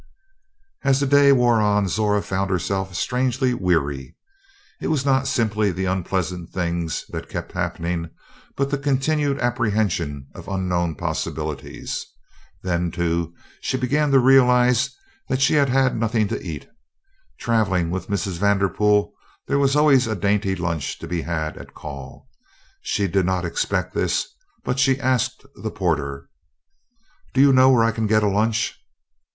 As the day wore on Zora found herself strangely weary. It was not simply the unpleasant things that kept happening, but the continued apprehension of unknown possibilities. Then, too, she began to realize that she had had nothing to eat. Travelling with Mrs. Vanderpool there was always a dainty lunch to be had at call. She did not expect this, but she asked the porter: "Do you know where I can get a lunch?"